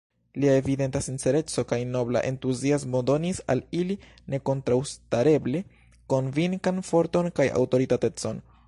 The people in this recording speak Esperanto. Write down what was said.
Lia evidenta sincereco kaj nobla entuziasmo donis al ili nekontraŭstareble konvinkan forton kaj aŭtoritatecon.